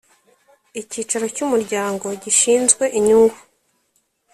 Icyicaro cy umuryango gishinzwe inyungu